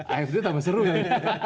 afd tambah seru kan